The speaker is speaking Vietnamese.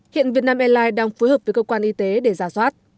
hiện việt nam airlines đang phối hợp với cơ quan y tế để giả soát